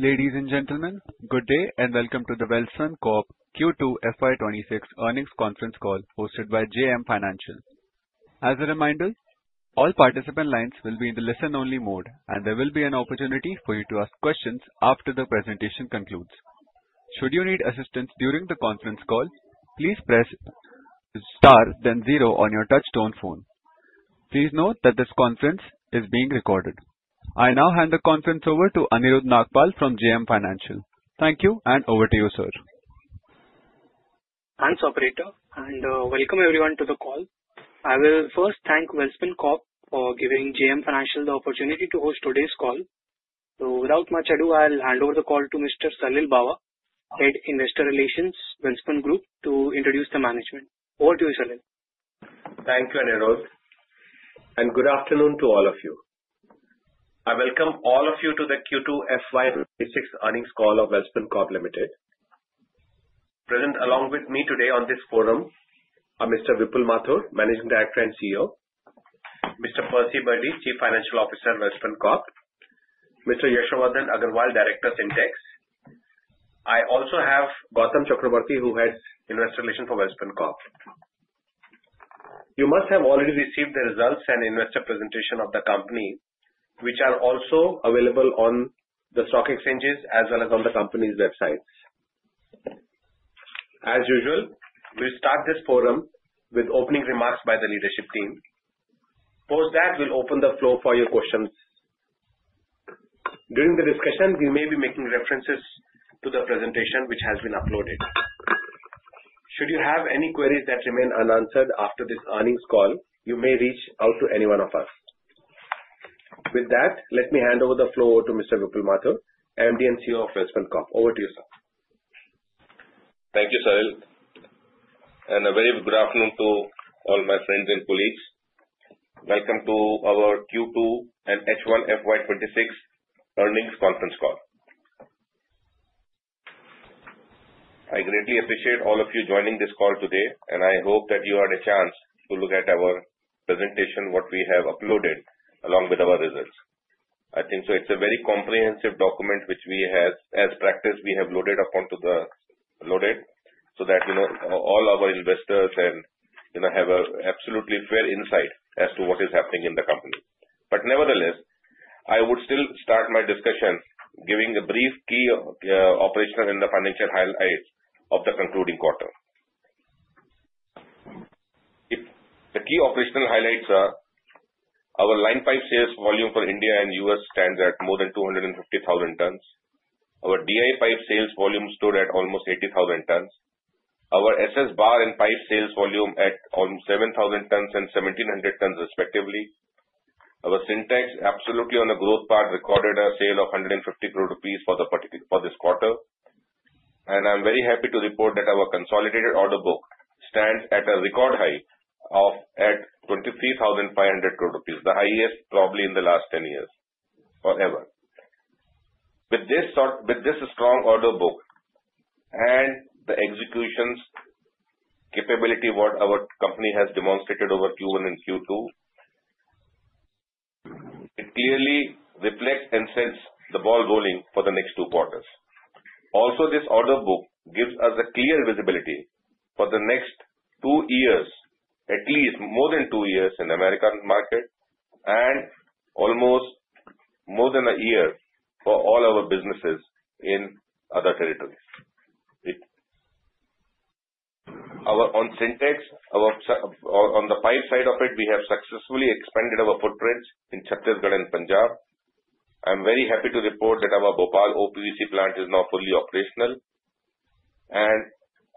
Ladies and gentlemen, good day and welcome to the Welspun Corp Q2 FY26 earnings conference call hosted by JM Financial. As a reminder, all participant lines will be in the listen-only mode, and there will be an opportunity for you to ask questions after the presentation concludes. Should you need assistance during the conference call, please press star then zero on your touchtone phone. Please note that this conference is being recorded. I now hand the conference over to Anirudh Nagpal from JM Financial. Thank you, and over to you, sir. Thanks, Operator, and welcome everyone to the call. I will first thank Welspun Corp for giving JM Financial the opportunity to host today's call. Without much ado, I'll hand over the call to Mr. Salil Bawa, Head Investor Relations, Welspun Group, to introduce the management. Over to you, Salil. Thank you, Anirudh, and good afternoon to all of you. I welcome all of you to the Q2 FY26 earnings call of Welspun Corp Limited. Present along with me today on this forum are Mr. Vipul Mathur, Managing Director and CEO. Mr. Percy Birdy, Chief Financial Officer of Welspun Corp. Mr. Yeshwardhan Agarwal, Director of Fintechs. I also have Gautam Chakraborty, who heads Investor Relations for Welspun Corp. You must have already received the results and investor presentation of the company, which are also available on the stock exchanges as well as on the company's websites. As usual, we'll start this forum with opening remarks by the leadership team. Post that, we'll open the floor for your questions. During the discussion, we may be making references to the presentation which has been uploaded. Should you have any queries that remain unanswered after this earnings call, you may reach out to any one of us. With that, let me hand over the floor to Mr. Vipul Mathur, MD and CEO of Welspun Corp. Over to you, sir. Thank you, Salil, and a very good afternoon to all my friends and colleagues. Welcome to our Q2 and H1 FY26 earnings conference call. I greatly appreciate all of you joining this call today, and I hope that you had a chance to look at our presentation, what we have uploaded, along with our results. I think so. It's a very comprehensive document which, as practice, we have loaded upon to the loaded so that all our investors have an absolutely fair insight as to what is happening in the company. But nevertheless, I would still start my discussion giving a brief key operational and financial highlights of the concluding quarter. The key operational highlights are our line pipe sales volume for India and U.S. stands at more than 250,000 tons. Our DI pipe sales volume stood at almost 80,000 tons. Our SS bar and pipe sales volume at almost 7,000 tons and 1,700 tons, respectively. Our Sintex, absolutely on a growth path, recorded a sale of 150 crore rupees for this quarter. I'm very happy to report that our consolidated order book stands at a record high of 23,500 crore rupees, the highest probably in the last 10 years or ever. With this strong order book and the execution capability of what our company has demonstrated over Q1 and Q2, it clearly reflects and sets the ball rolling for the next two quarters. Also, this order book gives us a clear visibility for the next two years, at least more than two years in the American market, and almost more than a year for all our businesses in other territories. On Sintex, on the pipe side of it, we have successfully expanded our footprints in Chhattisgarh and Punjab. I'm very happy to report that our Bhopal OPVC plant is now fully operational, and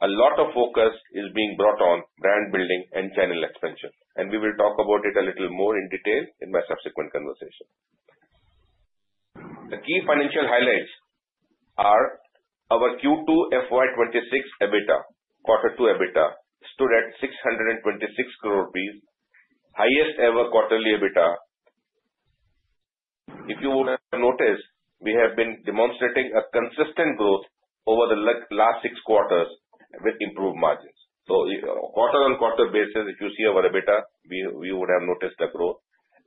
a lot of focus is being brought on brand building and channel expansion. We will talk about it a little more in detail in my subsequent conversation. The key financial highlights are our Q2 FY26 EBITDA, quarter two EBITDA, stood at 626 crore rupees, highest ever quarterly EBITDA. If you would have noticed, we have been demonstrating a consistent growth over the last six quarters with improved margins, so quarter-on-quarter basis, if you see our EBITDA, you would have noticed the growth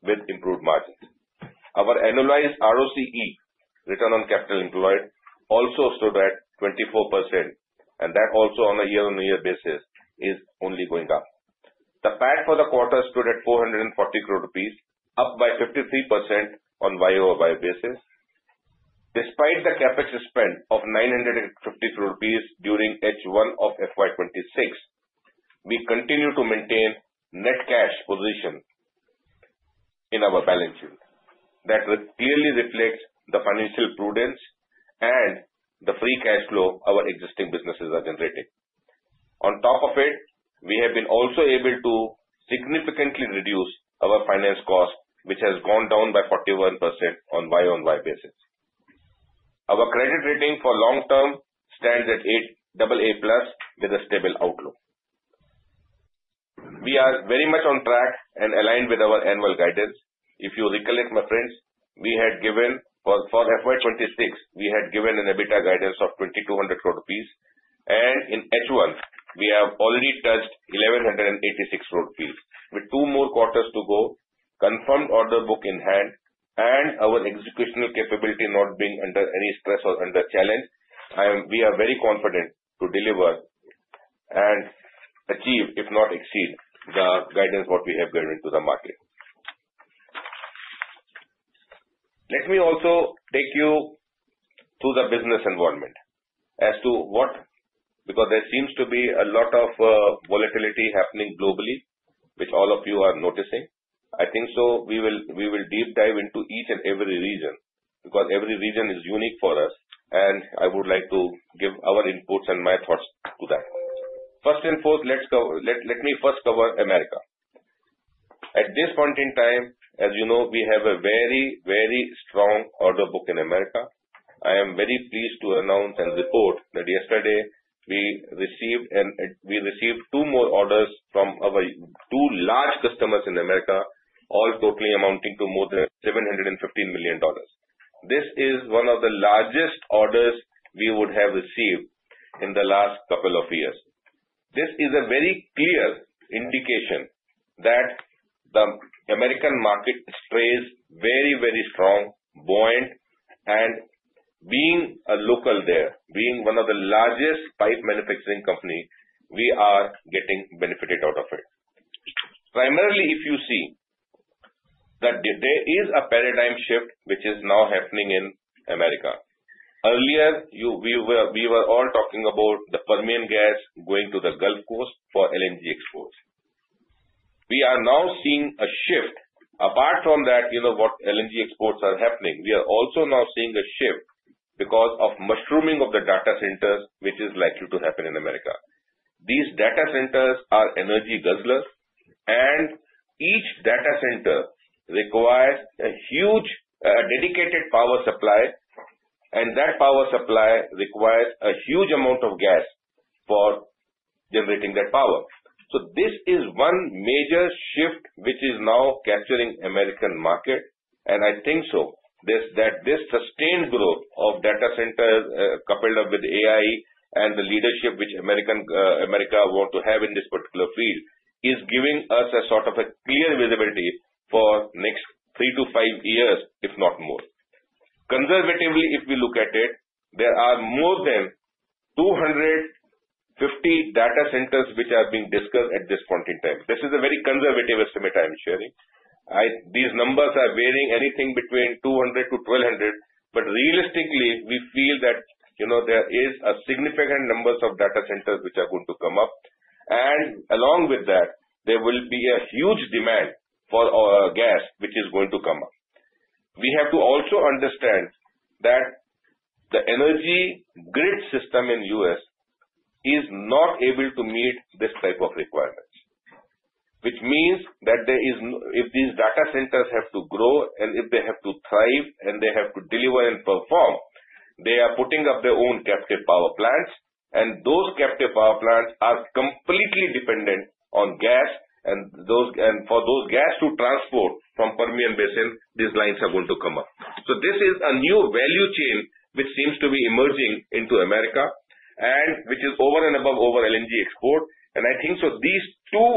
with improved margins. Our annualized ROCE, return on capital employed, also stood at 24%, and that also on a year-on-year basis is only going up. The PAT for the quarter stood at 440 crore rupees, up by 53% on YoY basis. Despite the CapEx spend of 950 crore rupees during H1 of FY26, we continue to maintain net cash position in our balance sheet. That clearly reflects the financial prudence and the free cash flow our existing businesses are generating. On top of it, we have been also able to significantly reduce our finance cost, which has gone down by 41% on YoY basis. Our credit rating for long-term stands at AAA plus with a stable outlook. We are very much on track and aligned with our annual guidance. If you recollect, my friends, for FY26, we had given an EBITDA guidance of 2,200 crore rupees, and in H1, we have already touched 1,186 crore rupees. With two more quarters to go, confirmed order book in hand, and our execution capability not being under any stress or under challenge, we are very confident to deliver and achieve, if not exceed, the guidance what we have given to the market. Let me also take you through the business involvement as to what, because there seems to be a lot of volatility happening globally, which all of you are noticing. I think so. We will deep dive into each and every region because every region is unique for us, and I would like to give our inputs and my thoughts to that. First and foremost, let me first cover America. At this point in time, as you know, we have a very, very strong order book in America. I am very pleased to announce and report that yesterday we received two more orders from our two large customers in America, all totally amounting to more than $715 million. This is one of the largest orders we would have received in the last couple of years. This is a very clear indication that the American market stays very, very strong, buoyant, and being a local there, being one of the largest pipe manufacturing companies, we are getting benefited out of it. Primarily, if you see that there is a paradigm shift which is now happening in America. Earlier, we were all talking about the Permian Gas going to the Gulf Coast for LNG exports. We are now seeing a shift. Apart from that, what LNG exports are happening, we are also now seeing a shift because of mushrooming of the data centers, which is likely to happen in America. These data centers are energy guzzlers, and each data center requires a huge dedicated power supply, and that power supply requires a huge amount of gas for generating that power. So this is one major shift which is now capturing the American market, and I think so that this sustained growth of data centers coupled up with AI and the leadership which America wants to have in this particular field is giving us a sort of a clear visibility for the next three to five years, if not more. Conservatively, if we look at it, there are more than 250 data centers which are being discussed at this point in time. This is a very conservative estimate I'm sharing. These numbers are varying anything between 200 to 1,200, but realistically, we feel that there are significant numbers of data centers which are going to come up, and along with that, there will be a huge demand for gas which is going to come up. We have to also understand that the energy grid system in the U.S. is not able to meet this type of requirements, which means that if these data centers have to grow and if they have to thrive and they have to deliver and perform, they are putting up their own captive power plants, and those captive power plants are completely dependent on gas, and for those gas to transport from Permian Basin, these lines are going to come up. This is a new value chain which seems to be emerging into America and which is over and above over LNG export. I think so these two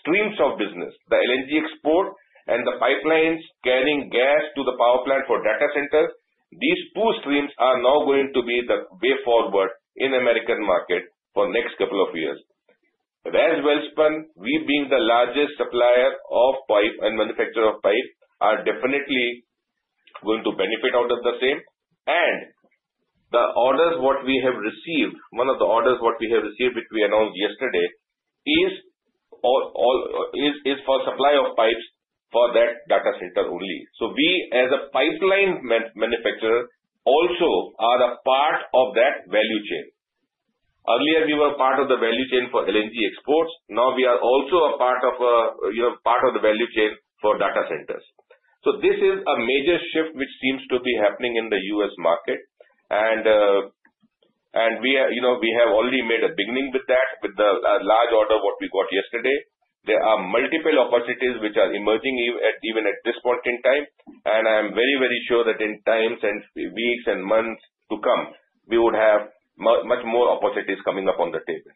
streams of business, the LNG export and the pipelines carrying gas to the power plant for data centers, these two streams are now going to be the way forward in the American market for the next couple of years. As Welspun, we being the largest supplier of pipe and manufacturer of pipe, are definitely going to benefit out of the same. The orders what we have received, one of the orders what we have received which we announced yesterday, is for supply of pipes for that data center only. We, as a pipeline manufacturer, also are a part of that value chain. Earlier, we were a part of the value chain for LNG exports. Now, we are also a part of the value chain for data centers. This is a major shift which seems to be happening in the U.S. market, and we have already made a beginning with that, with the large order what we got yesterday. There are multiple opportunities which are emerging even at this point in time, and I am very, very sure that in times and weeks and months to come, we would have much more opportunities coming up on the table.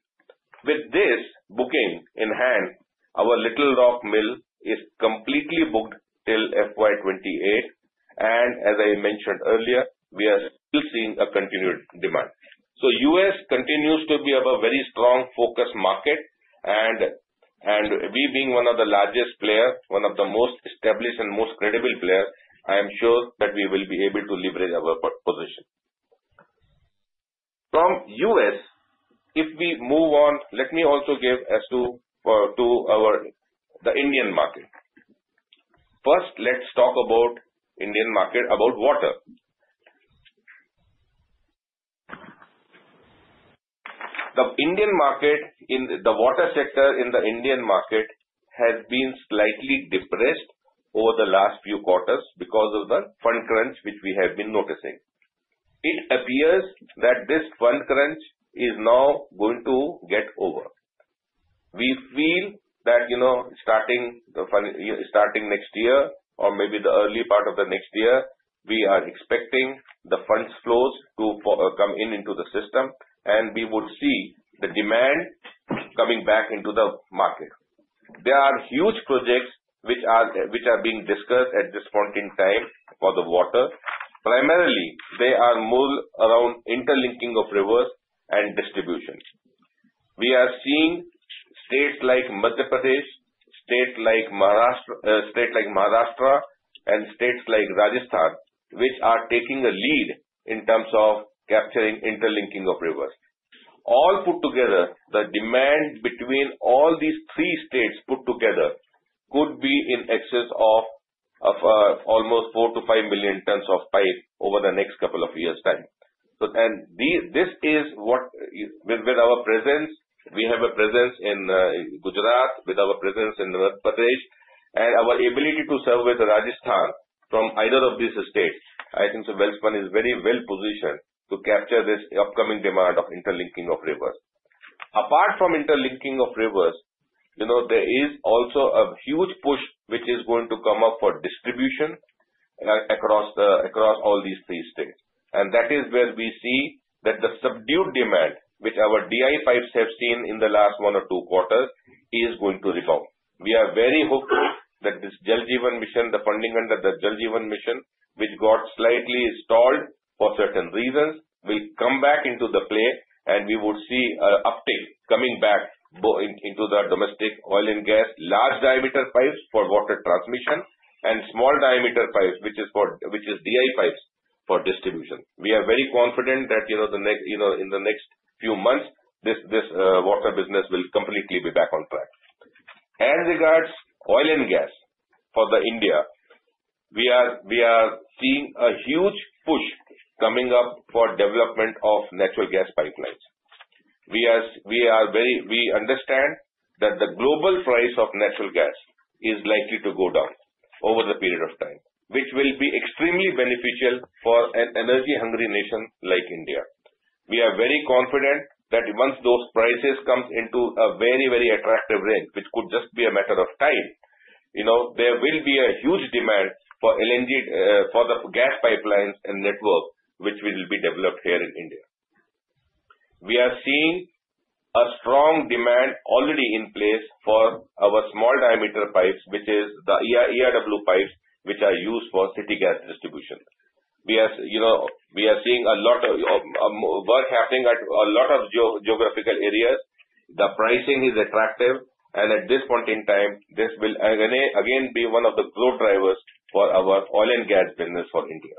With this booking in hand, our Little Rock Mill is completely booked till FY28, and as I mentioned earlier, we are still seeing a continued demand. U.S. continues to be a very strong focus market, and we being one of the largest players, one of the most established and most credible players, I am sure that we will be able to leverage our position. From the US, if we move on, let me also give as to the Indian market. First, let's talk about the Indian market, about water. The water sector in the Indian market has been slightly depressed over the last few quarters because of the fund crunch which we have been noticing. It appears that this fund crunch is now going to get over. We feel that starting next year or maybe the early part of the next year, we are expecting the funds flows to come into the system, and we would see the demand coming back into the market. There are huge projects which are being discussed at this point in time for the water. Primarily, they are more around interlinking of rivers and distribution. We are seeing states like Madhya Pradesh, states like Maharashtra, and states like Rajasthan which are taking a lead in terms of capturing interlinking of rivers. All put together, the demand between all these three states put together could be in excess of almost 4-5 million tons of pipe over the next couple of years' time. This is what with our presence, we have a presence in Gujarat, with our presence in Madhya Pradesh, and our ability to serve with Rajasthan from either of these states, I think so Welspun is very well positioned to capture this upcoming demand of interlinking of rivers. Apart from interlinking of rivers, there is also a huge push which is going to come up for distribution across all these three states, and that is where we see that the subdued demand which our DI pipes have seen in the last one or two quarters is going to revamp. We are very hopeful that this Jal Jeevan Mission, the funding under the Jal Jeevan Mission, which got slightly stalled for certain reasons, will come back into the play, and we would see an uptake coming back into the domestic oil and gas, large diameter pipes for water transmission, and small diameter pipes, which is DI pipes for distribution. We are very confident that in the next few months, this water business will completely be back on track. As regards oil and gas for India, we are seeing a huge push coming up for development of natural gas pipelines. We understand that the global price of natural gas is likely to go down over the period of time, which will be extremely beneficial for an energy-hungry nation like India. We are very confident that once those prices come into a very, very attractive range, which could just be a matter of time, there will be a huge demand for the gas pipelines and network which will be developed here in India. We are seeing a strong demand already in place for our small diameter pipes, which is the ERW pipes which are used for city gas distribution. We are seeing a lot of work happening at a lot of geographical areas. The pricing is attractive, and at this point in time, this will again be one of the growth drivers for our oil and gas business for India.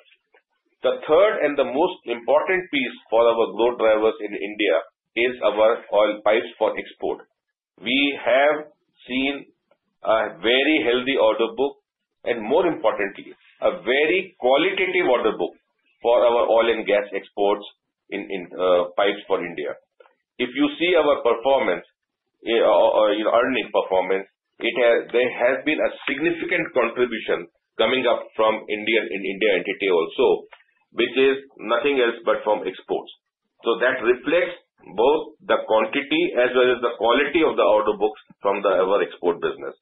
The third and the most important piece for our growth drivers in India is our oil pipes for export. We have seen a very healthy order book and, more importantly, a very qualitative order book for our oil and gas exports in pipes for India. If you see our performance, earnings performance, there has been a significant contribution coming up from India entity also, which is nothing else but from exports. That reflects both the quantity as well as the quality of the order books from our export business.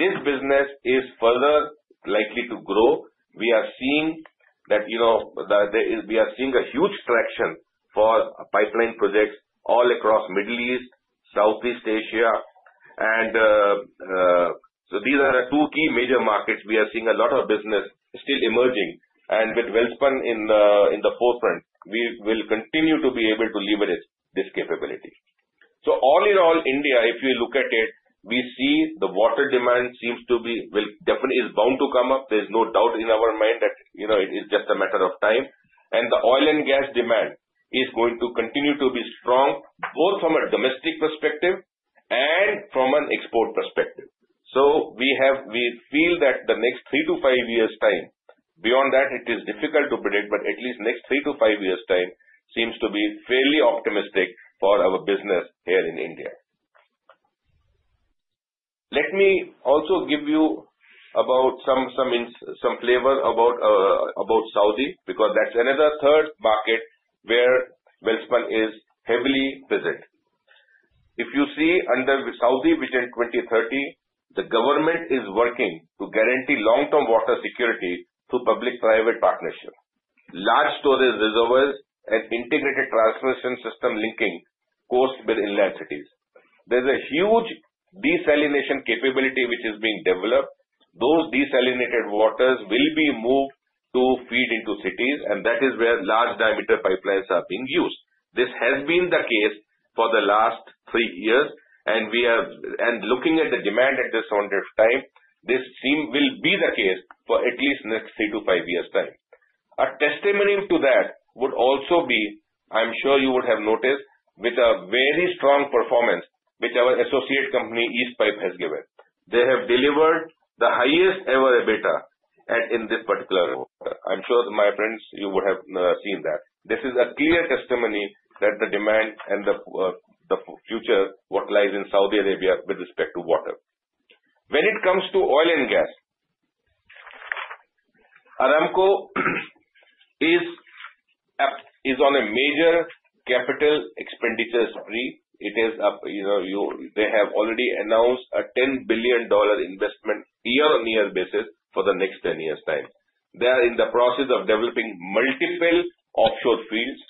This business is further likely to grow. We are seeing a huge traction for pipeline projects all across the Middle East, Southeast Asia, and so these are the two key major markets we are seeing a lot of business still emerging, and with Welspun in the forefront, we will continue to be able to leverage this capability. All in all, India, if you look at it, we see the water demand seems to be definitely bound to come up. There is no doubt in our mind that it is just a matter of time, and the oil and gas demand is going to continue to be strong both from a domestic perspective and from an export perspective. We feel that the next three to five years' time, beyond that, it is difficult to predict, but at least the next three to five years' time seems to be fairly optimistic for our business here in India. Let me also give you some flavor about Saudi because that's another third market where Welspun is heavily present. If you see under Saudi Vision 2030, the government is working to guarantee long-term water security through public-private partnership, large storage reservoirs, and integrated transmission system linking coast with inland cities. There's a huge desalination capability which is being developed. Those desalinated waters will be moved to feed into cities, and that is where large diameter pipelines are being used. This has been the case for the last three years, and looking at the demand at this point of time, this will be the case for at least the next three to five years' time. A testimony to that would also be, I'm sure you would have noticed, with a very strong performance which our associate company, Eastpipe, has given. They have delivered the highest ever EBITDA in this particular. I'm sure my friends, you would have seen that. This is a clear testimony that the demand and the future what lies in Saudi Arabia with respect to water. When it comes to oil and gas, Aramco is on a major capital expenditure spree. They have already announced a $10 billion investment year-on-year basis for the next 10 years' time. They are in the process of developing multiple offshore fields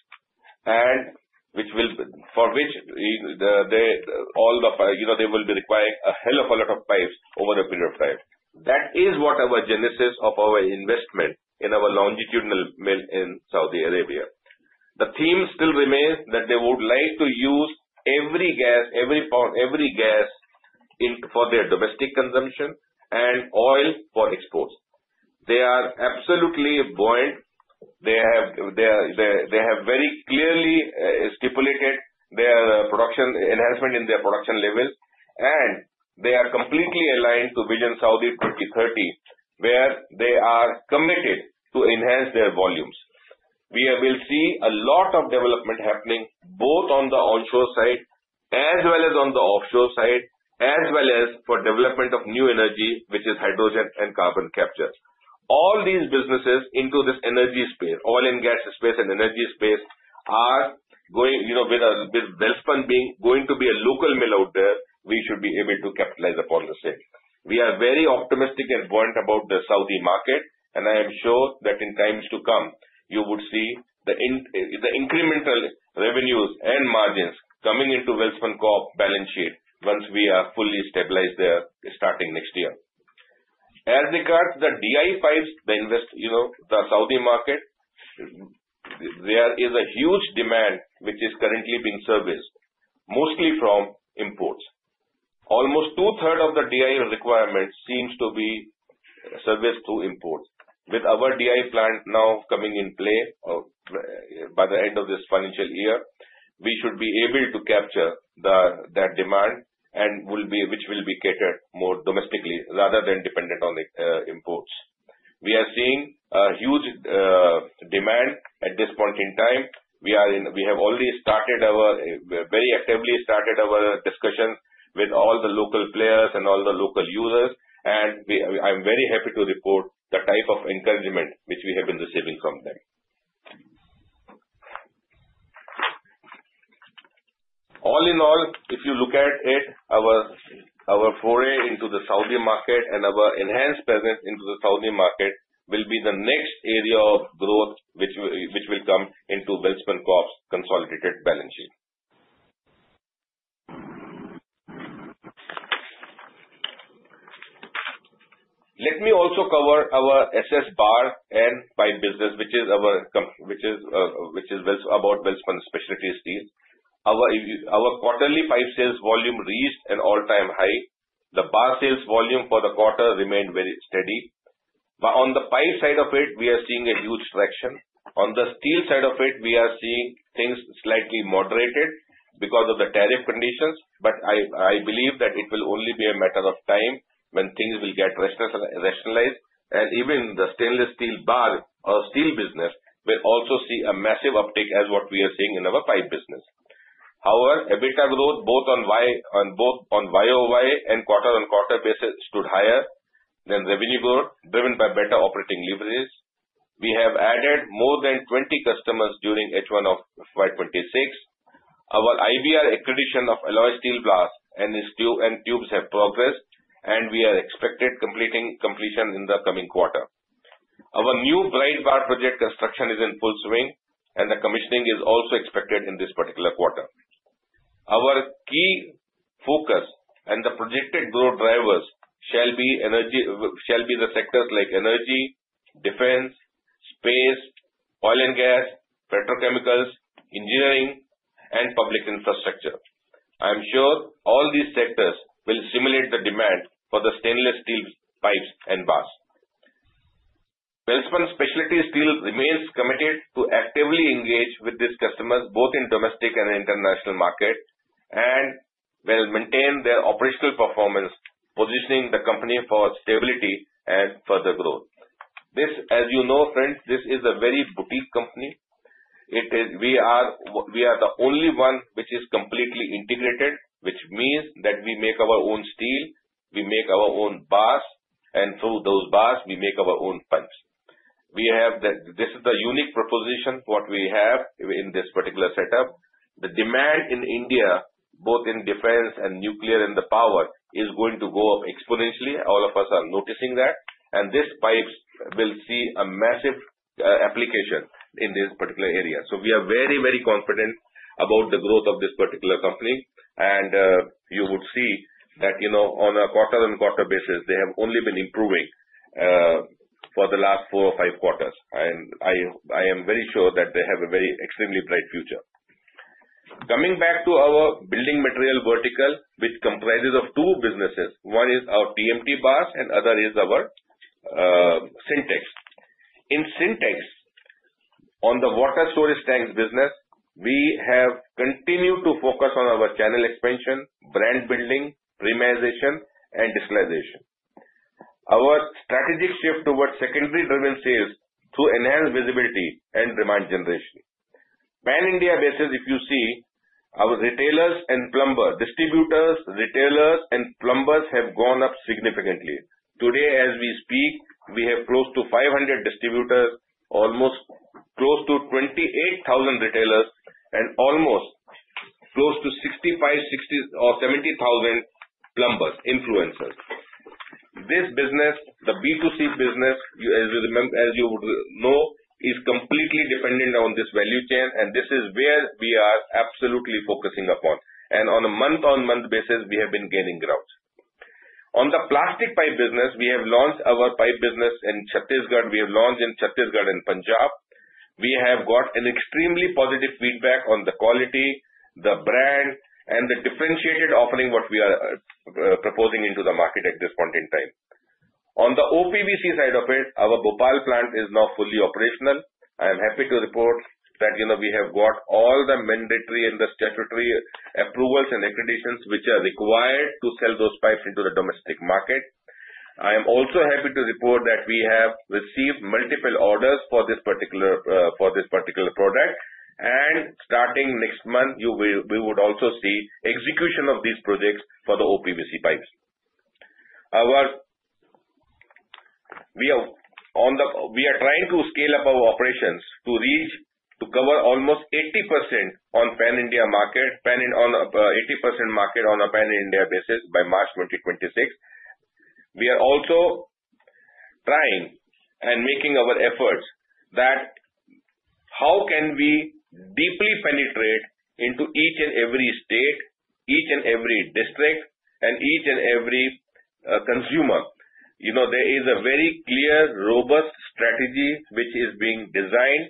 for which they will be requiring a hell of a lot of pipes over a period of time. That is the genesis of our investment in our longitudinal mill in Saudi Arabia. The theme still remains that they would like to use every gas for their domestic consumption and oil for exports. They are absolutely buoyant. They have very clearly stipulated their enhancement in their production level, and they are completely aligned to vision Saudi 2030, where they are committed to enhance their volumes. We will see a lot of development happening both on the onshore side as well as on the offshore side, as well as for development of new energy which is hydrogen and carbon capture. All these businesses into this energy space, oil and gas space and energy space, are going with Welspun being going to be a local mill out there, we should be able to capitalize upon the same. We are very optimistic and buoyant about the Saudi market, and I am sure that in times to come, you would see the incremental revenues and margins coming into Welspun Corp balance sheet once we are fully stabilized there starting next year. As regards the DI pipes, the Saudi market, there is a huge demand which is currently being serviced, mostly from imports. Almost two-thirds of the DI requirements seems to be serviced through imports. With our DI plant now coming in play by the end of this financial year, we should be able to capture that demand, which will be catered more domestically rather than dependent on imports. We are seeing a huge demand at this point in time. We have already very actively started our discussion with all the local players and all the local users, and I'm very happy to report the type of encouragement which we have been receiving from them. All in all, if you look at it, our foray into the Saudi market and our enhanced presence into the Saudi market will be the next area of growth which will come into Welspun Corp's consolidated balance sheet. Let me also cover our SS bar and pipe business, which is about Welspun Specialty Steel. Our quarterly pipe sales volume reached an all-time high. The bar sales volume for the quarter remained very steady. On the pipe side of it, we are seeing a huge traction. On the steel side of it, we are seeing things slightly moderated because of the tariff conditions, but I believe that it will only be a matter of time when things will get rationalized, and even the stainless steel bar or steel business will also see a massive uptake as what we are seeing in our pipe business. Our EBITDA growth, both on YOY and quarter-on-quarter basis, stood higher than revenue growth driven by better operating leverage. We have added more than 20 customers during H1 of FY26. Our IBR accretion of alloy steel blast and tubes have progressed, and we are expected completion in the coming quarter. Our new bright bar project construction is in full swing, and the commissioning is also expected in this particular quarter. Our key focus and the projected growth drivers shall be the sectors like energy, defense, space, oil and gas, petrochemicals, engineering, and public infrastructure. I'm sure all these sectors will stimulate the demand for the stainless steel pipes and bars. Welspun Specialty Steel remains committed to actively engage with these customers both in domestic and international markets and will maintain their operational performance, positioning the company for stability and further growth. This, as you know, friends, this is a very boutique company. We are the only one which is completely integrated, which means that we make our own steel, we make our own bars, and through those bars, we make our own pipes. This is the unique proposition what we have in this particular setup. The demand in India, both in defense and nuclear and the power, is going to go up exponentially. All of us are noticing that, and these pipes will see a massive application in this particular area. So we are very, very confident about the growth of this particular company, and you would see that on a quarter-on-quarter basis, they have only been improving for the last four or five quarters, and I am very sure that they have a very extremely bright future. Coming back to our building material vertical, which comprises of two businesses, one is our TMT bars, and the other is our Sintex. In Sintex, on the water storage tanks business, we have continued to focus on our channel expansion, brand building, premiumization, and decarbonization. Our strategic shift towards secondary-driven steel to enhance visibility and demand generation. Pan-India basis, if you see, our distributors, retailers, and plumbers have gone up significantly. Today, as we speak, we have close to 500 distributors, almost close to 28,000 retailers, and almost close to 65,000 or 70,000 plumbers, influencers. This business, the B2C business, as you would know, is completely dependent on this value chain, and this is where we are absolutely focusing upon, and on a month-on-month basis, we have been gaining ground. On the plastic pipe business, we have launched our pipe business in Chhattisgarh. We have launched in Chhattisgarh and Punjab. We have got extremely positive feedback on the quality, the brand, and the differentiated offering what we are proposing into the market at this point in time. On the OPVC side of it, our Bhopal plant is now fully operational. I am happy to report that we have got all the mandatory and the statutory approvals and accreditations which are required to sell those pipes into the domestic market. I am also happy to report that we have received multiple orders for this particular product, and starting next month, we would also see execution of these projects for the OPVC pipes. We are trying to scale up our operations to cover almost 80% on pan-India market, on an 80% market on a pan-India basis by March 2026. We are also trying and making our efforts that how can we deeply penetrate into each and every state, each and every district, and each and every consumer. There is a very clear, robust strategy which is being designed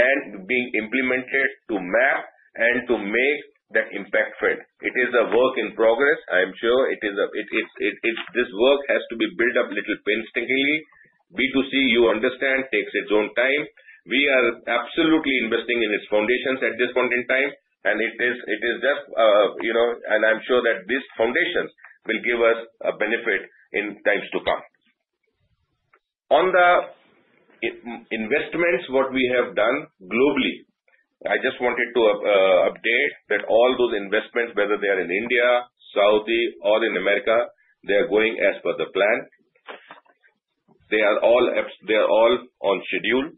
and being implemented to map and to make that impact fit. It is a work in progress. I am sure this work has to be built up a little painstakingly. B2C, you understand, takes its own time. We are absolutely investing in its foundations at this point in time, and it is just, and I'm sure that these foundations will give us a benefit in times to come. On the investments, what we have done globally, I just wanted to update that all those investments, whether they are in India, Saudi, or in America, they are going as per the plan. They are all on schedule,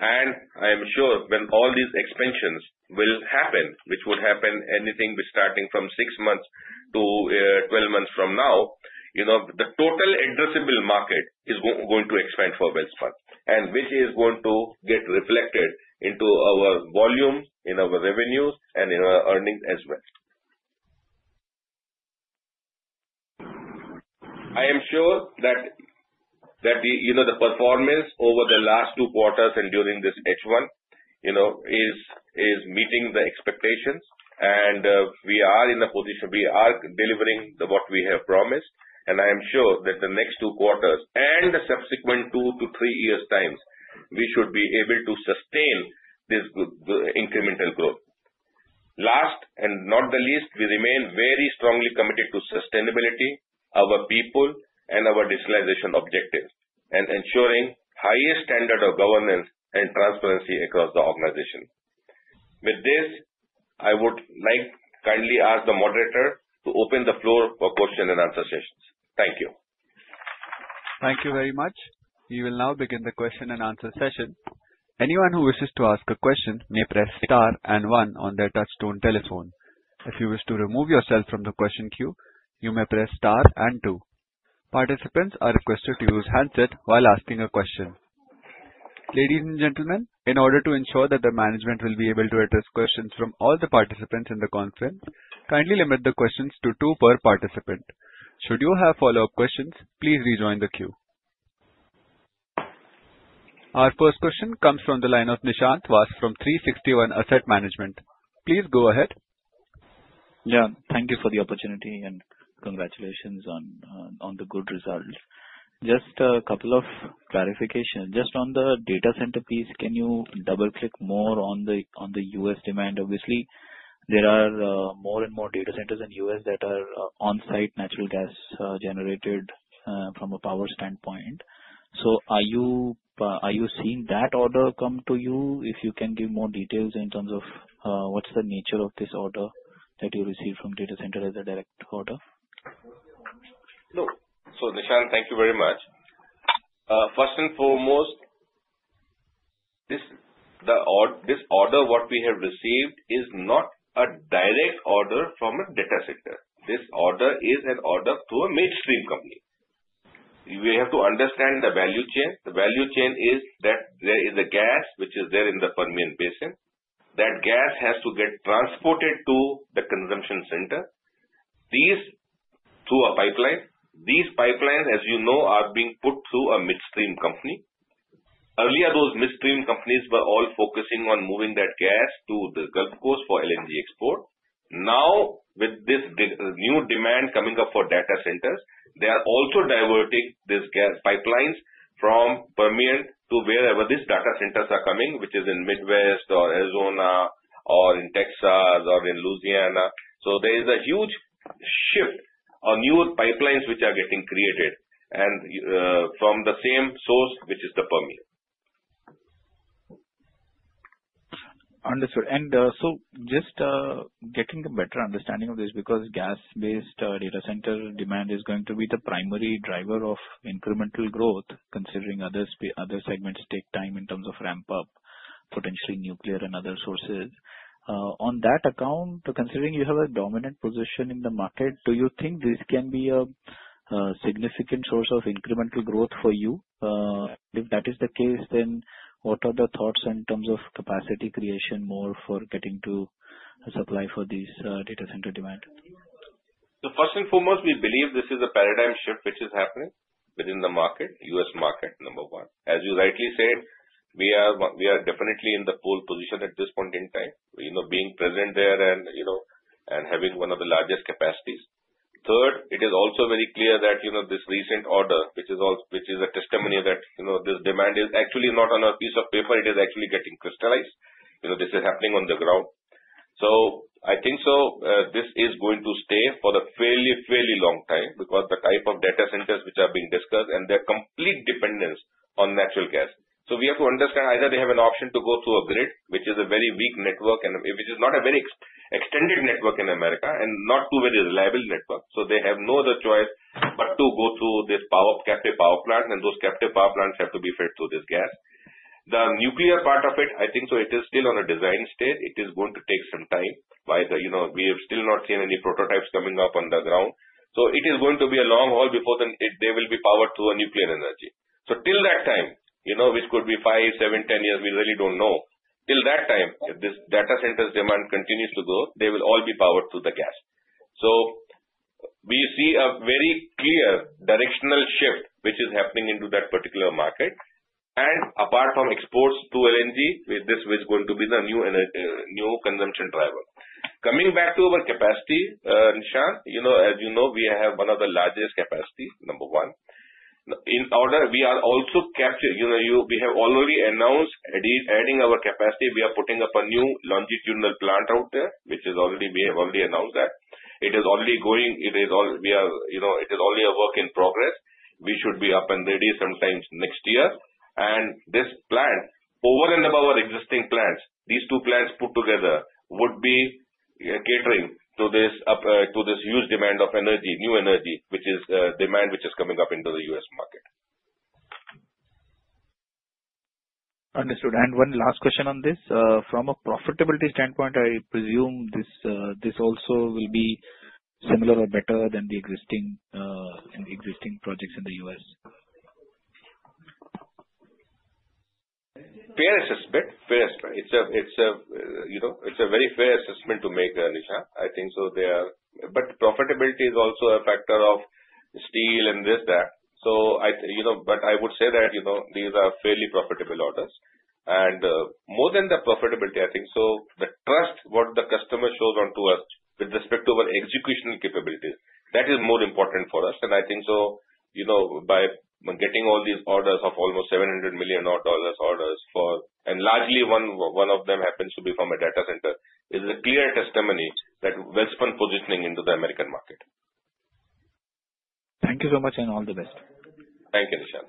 and I am sure when all these expansions will happen, which would happen anything starting from six months to 12 months from now, the total addressable market is going to expand for Welspun, and which is going to get reflected into our volume, in our revenues, and in our earnings as well. I am sure that the performance over the last two quarters and during this H1 is meeting the expectations, and we are in a position. We are delivering what we have promised, and I am sure that the next two quarters and the subsequent two to three years' time, we should be able to sustain this incremental growth. Last and not the least, we remain very strongly committed to sustainability, our people, and our desalination objectives, and ensuring highest standard of governance and transparency across the organization. With this, I would like kindly ask the moderator to open the floor for question and answer sessions. Thank you. Thank you very much. We will now begin the question and answer session. Anyone who wishes to ask a question may press star and one on their touch-tone telephone. If you wish to remove yourself from the question queue, you may press star and two. Participants are requested to use handset while asking a question. Ladies and gentlemen, in order to ensure that the management will be able to address questions from all the participants in the conference, kindly limit the questions to two per participant. Should you have follow-up questions, please rejoin the queue. Our first question comes from the line of Nishant Vass from 360 ONE Asset Management. Please go ahead. Yeah. Thank you for the opportunity, and congratulations on the good results. Just a couple of clarifications. Just on the data center piece, can you double-click more on the U.S. demand? Obviously, there are more and more data centers in the U.S. that are on-site natural gas generated from a power standpoint. Are you seeing that order come to you? If you can give more details in terms of what's the nature of this order that you received from data center as a direct order? So, Nishant, thank you very much. First and foremost, this order what we have received is not a direct order from a data center. This order is an order to a midstream company. You have to understand the value chain. The value chain is that there is a gas which is there in the Permian Basin. That gas has to get transported to the consumption center through a pipeline. These pipelines, as you know, are being put through a midstream company. Earlier, those midstream companies were all focusing on moving that gas to the Gulf Coast for LNG export. Now, with this new demand coming up for data centers, they are also diverting these gas pipelines from Permian to wherever these data centers are coming, which is in Midwest or Arizona or in Texas or in Louisiana. There is a huge shift or new pipelines which are getting created from the same source, which is the Permian. Understood. So just getting a better understanding of this because gas-based data center demand is going to be the primary driver of incremental growth, considering other segments take time in terms of ramp-up, potentially nuclear and other sources. On that account, considering you have a dominant position in the market, do you think this can be a significant source of incremental growth for you? If that is the case, then what are the thoughts in terms of capacity creation more for getting to supply for these data center demand? First and foremost, we believe this is a paradigm shift which is happening within the market, US market number one. As you rightly said, we are definitely in the pole position at this point in time, being present there and having one of the largest capacities. Third, it is also very clear that this recent order, which is a testimony that this demand is actually not on a piece of paper. It is actually getting crystallized. This is happening on the ground. I think this is going to stay for a fairly, fairly long time because the type of data centers which are being discussed and their complete dependence on natural gas. So we have to understand either they have an option to go through a grid, which is a very weak network, and which is not a very extended network in America and not too very reliable network. So they have no other choice but to go through this captive power plant, and those captive power plants have to be fed through this gas. The nuclear part of it, I think so it is still on a design stage. It is going to take some time. We have still not seen any prototypes coming up on the ground. It is going to be a long haul before they will be powered through nuclear energy. Till that time, which could be five, seven, ten years, we really don't know. Till that time, if this data centers' demand continues to go, they will all be powered through the gas. We see a very clear directional shift which is happening into that particular market. Apart from exports to LNG, this is going to be the new consumption driver. Coming back to our capacity, Nishant, as you know, we have one of the largest capacities, number one. In order, we are also capturing. We have already announced adding our capacity. We are putting up a new longitudinal plant out there, which we have already announced that. It is already going. It is already a work in progress. We should be up and ready sometimes next year. This plant, over and above our existing plants, these two plants put together would be catering to this huge demand of energy, new energy, which is demand which is coming up into the US market. Understood. One last question on this. From a profitability standpoint, I presume this also will be similar or better than the existing projects in the U.S.? Fair assessment. Fair assessment. It's a very fair assessment to make that, Nishant. I think so they are. But profitability is also a factor of steel and this, that. But I would say that these are fairly profitable orders. More than the profitability, I think. So the trust what the customer shows onto us with respect to our execution capabilities, that is more important for us. I think so by getting all these orders of almost $700 million orders for, and largely one of them happens to be from a data center, is a clear testimony that Welspun is positioning into the American market. Thank you so much and all the best. Thank you, Nishant.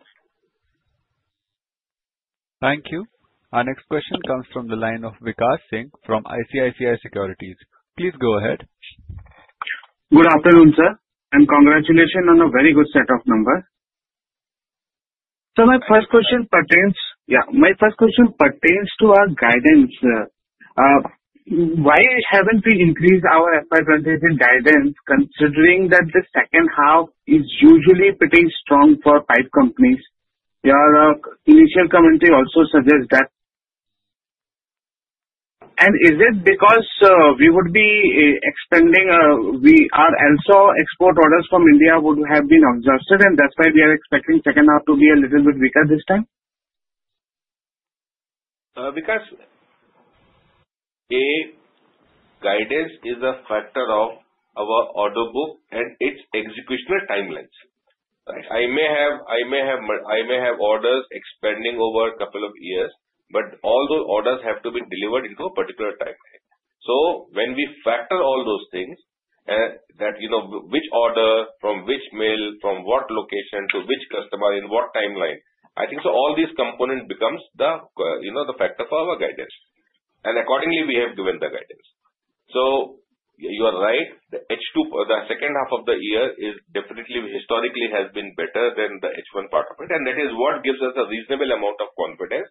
Thank you. Our next question comes from the line of Vikas Singh from ICICI Securities. Please go ahead. Good afternoon, sir, and congratulations on a very good set of numbers. My first question pertains to our guidance. Why haven't we increased our FY23 guidance, considering that the second half is usually pretty strong for pipe companies? Your initial commentary also suggests that. Is it because we would be expanding? Also, export orders from India would have been exhausted, and that's why we are expecting second half to be a little bit weaker this time? Because guidance is a factor of our order book and its execution timelines. I may have orders expanding over a couple of years, but all those orders have to be delivered into a particular timeline. So when we factor all those things, which order, from which mill, from what location, to which customer, in what timeline, I think so all these components becomes the factor for our guidance, and accordingly, we have given the guidance. So you are right. The second half of the year is definitely historically has been better than the H1 part of it, and that is what gives us a reasonable amount of confidence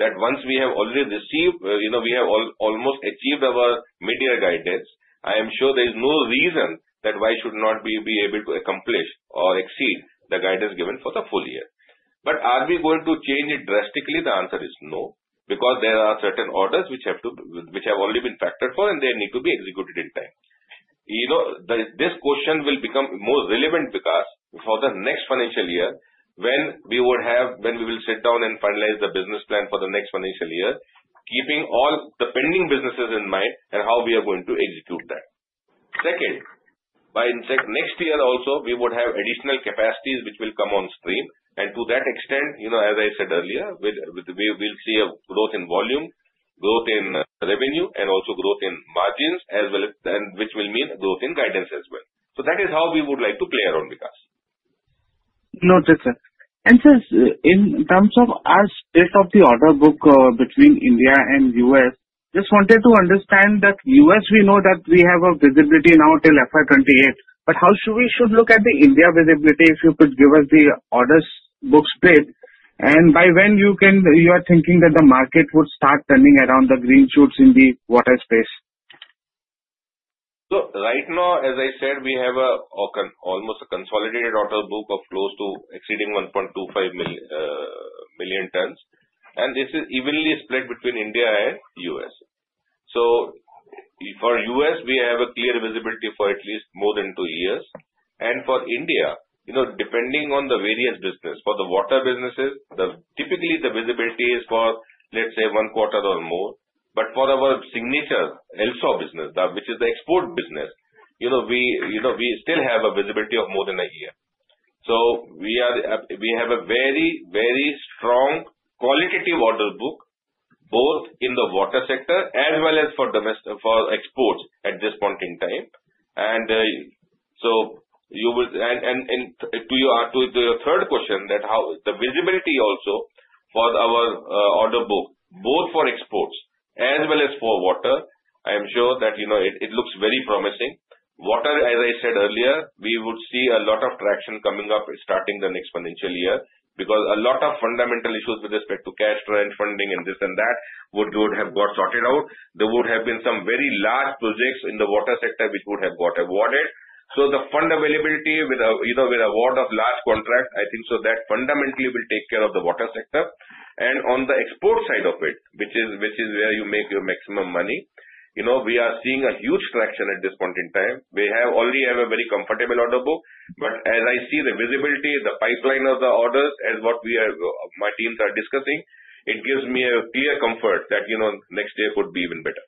that once we have already received, we have almost achieved our mid-year guidance. I am sure there is no reason that why should not we be able to accomplish or exceed the guidance given for the full year. But are we going to change it drastically? The answer is no, because there are certain orders which have already been factored for, and they need to be executed in time. This question will become more relevant because for the next financial year, when we will sit down and finalize the business plan for the next financial year, keeping all the pending businesses in mind and how we are going to execute that. Second, by next year also, we would have additional capacities which will come on stream. To that extent, as I said earlier, we will see a growth in volume, growth in revenue, and also growth in margins, which will mean growth in guidance as well. That is how we would like to play around with us. Noted, sir. Sir, in terms of our split of the order book between India and U.S., just wanted to understand that U.S., we know that we have a visibility now till FY28. But how should we look at the India visibility if you could give us the order book split? And by when you are thinking that the market would start turning around the green shoots in the water space? So right now, as I said, we have almost a consolidated order book of close to exceeding 1.25 million tons. This is evenly split between India and U.S. For U.S., we have a clear visibility for at least more than two years. And for India, depending on the various business, for the water businesses, typically the visibility is for, let's say, one quarter or more. But for our signature LSAW business, which is the export business, we still have a visibility of more than a year. We have a very, very strong qualitative order book both in the water sector as well as for exports at this point in time. To your third question, that the visibility also for our order book both for exports as well as for water, I am sure that it looks very promising. Water, as I said earlier, we would see a lot of traction coming up starting the next financial year, because a lot of fundamental issues with respect to cash, trend funding, and this and that would have got sorted out. There would have been some very large projects in the water sector which would have got awarded. The fund availability with award of large contract, I think so that fundamentally will take care of the water sector. On the export side of it, which is where you make your maximum money, we are seeing a huge traction at this point in time. We already have a very comfortable order book. But as I see the visibility, the pipeline of the orders, as what my teams are discussing, it gives me a clear comfort that next year could be even better.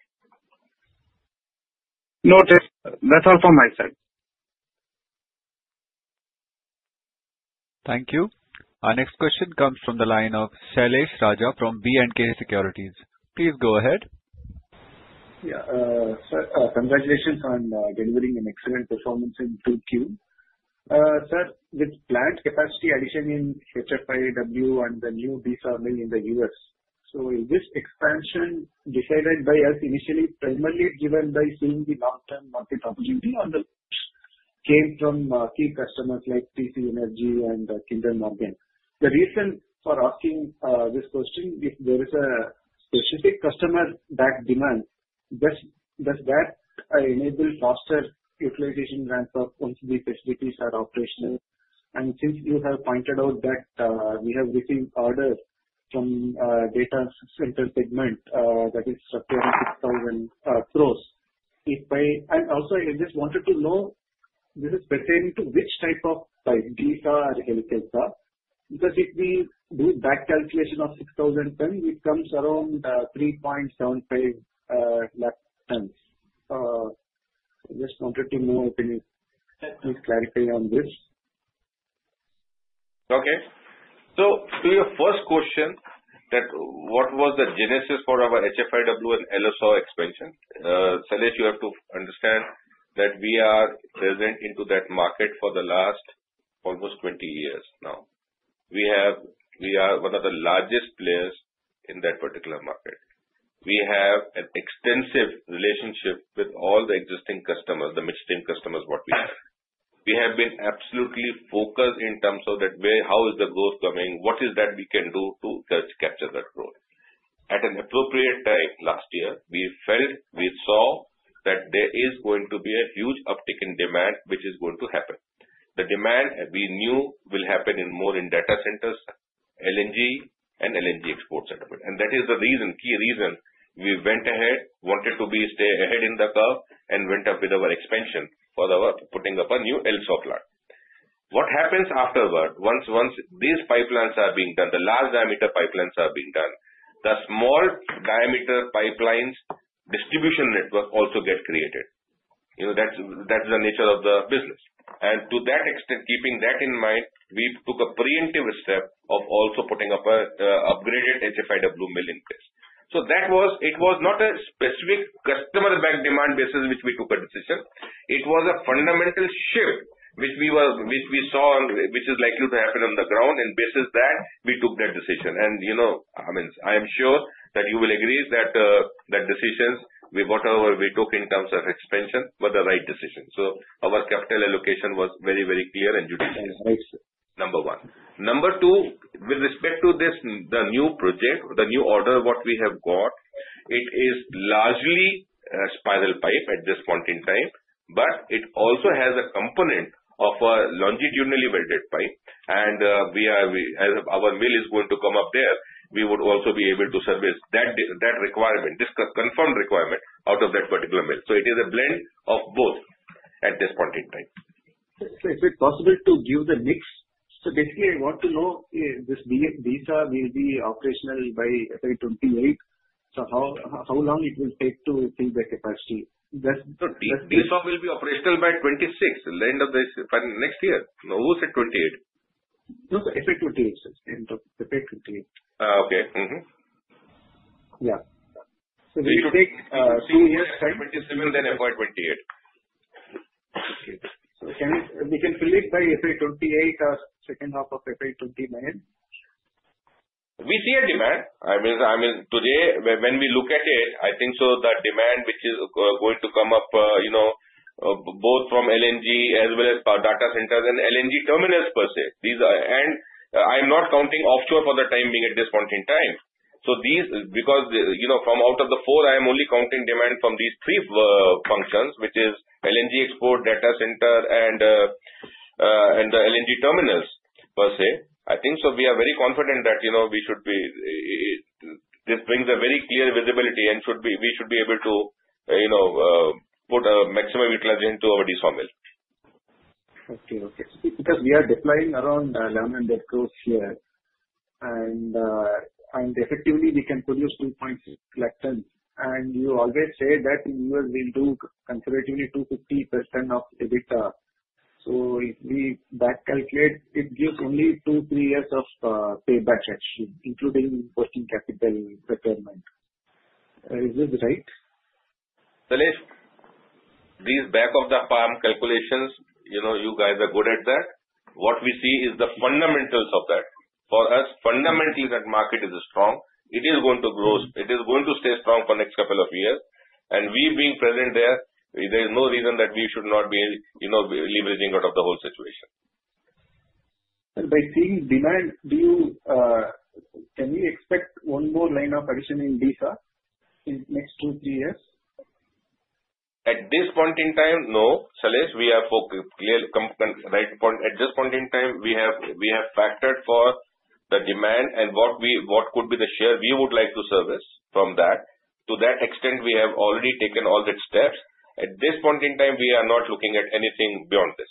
Noted. That's all from my side. Thank you. Our next question comes from the line of Sailesh Raja from B&K Securities. Please go ahead. Yeah. Sir, congratulations on delivering an excellent performance in Q2. Sir, with plant capacity addition in HFIW and the new LSAW mill in the US, so is this expansion decided by us initially primarily driven by seeing the long-term market opportunity or came from key customers like TC Energy and Kinder Morgan? The reason for asking this question, if there is a specific customer-backed demand, does that enable faster utilization ramp-up once these facilities are operational? Since you have pointed out that we have received orders from data center segment that is 6,000 tons, and also I just wanted to know this is pertaining to which type of pipe, LSAW or Helical? Because if we do that calculation of 6,000 tons, it comes around 3.75 lakh tons. I just wanted to know if you can clarify on this. Okay. To your first question, what was the genesis for our HFIW and LSAW expansion? Sailesh, you have to understand that we are present into that market for the last almost 20 years now. We are one of the largest players in that particular market. We have an extensive relationship with all the existing customers, the midstream customers, what we have. We have been absolutely focused in terms of how is the growth coming, what is that we can do to capture that growth. At an appropriate time last year, we felt, we saw that there is going to be a huge uptick in demand, which is going to happen. The demand we knew will happen more in data centers, LNG, and LNG exports at the moment. That is the reason, key reason we went ahead, wanted to stay ahead of the curve, and went ahead with our expansion for putting up a new LSAW plant. What happens afterward, once these pipelines are being done, the large diameter pipelines are being done, the small diameter pipeline distribution network also gets created. That is the nature of the business. To that extent, keeping that in mind, we took a preemptive step of also putting up an upgraded HFIW mill in place. It was not a specific customer-backed demand basis which we took a decision. It was a fundamental shift which we saw, which is likely to happen on the ground, and on that basis we took that decision. I am sure that you will agree that the decisions we took in terms of expansion were the right decision. Our capital allocation was very, very clear and judicious, number one. Number two, with respect to the new project, the new order what we have got, it is largely spiral pipe at this point in time, but it also has a component of a longitudinally welded pipe. As our mill is going to come up there, we would also be able to service that requirement, this confirmed requirement out of that particular mill. So it is a blend of both at this point in time. Sir, is it possible to give the mix? Basically, I want to know this LSAW will be operational by FY28. So how long it will take to fill the capacity? LSAW will be operational by 2026, the end of next year. Who said 2028? No, sir, Fi28. End of FI28. Okay. Yeah. So we take two years. FY27, then FY28. Okay. So we can fill it by FY28 or second half of FY29? We see a demand. I mean, today, when we look at it, I think so the demand which is going to come up both from LNG as well as data centers and LNG terminals per se, and I'm not counting offshore for the time being at this point in time, so because from out of the four, I am only counting demand from these three functions, which is LNG export, data center, and the LNG terminals per se. I think so we are very confident that we should be this brings a very clear visibility, and we should be able to put maximum utilization to our DISA mill. Okay. Okay. Because we are deploying around 11 delcos here. Effectively, we can produce 2.6 lakh tons. You always say that in the U.S., we do comparatively 250% of EBITDA. If we back calculate, it gives only two, three years of payback actually, including working capital requirement. Is this right? Sailesh, these back-of-the-farm calculations, you know you guys are good at that. What we see is the fundamentals of that. For us, fundamentally, that market is strong. It is going to grow. It is going to stay strong for the next couple of years, and we being present there, there is no reason that we should not be leveraging out of the whole situation. Sir, by seeing demand, can we expect one more line of addition in LSAW in the next two, three years? At this point in time, no. Sailesh, we have at this point in time, we have factored for the demand and what could be the share we would like to service from that. To that extent, we have already taken all the steps. At this point in time, we are not looking at anything beyond this.